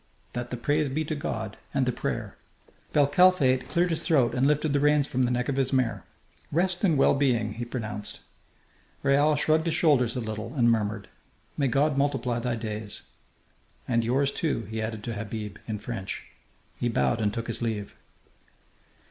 That the praise be to God, and the prayer!" Bel Kalfate cleared his throat and lifted the reins from the neck of his mare. "Rest in well being!" he pronounced. Raoul shrugged his shoulders a little and murmured: "May God multiply thy days!... And yours, too," he added to Habib in French. He bowed and took his leave.